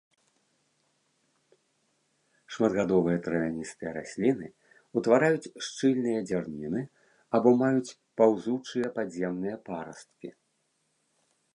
Шматгадовыя травяністыя расліны, утвараюць шчыльныя дзярніны або маюць паўзучыя падземныя парасткі.